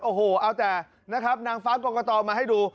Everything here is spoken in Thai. โอ้โหเอาแต่นะครับนางฟ้ากรกตมาให้ดู